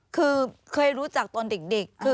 คือเคยรู้จักตอนเด็ก